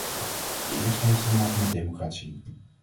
De eerste heeft te maken met democratie.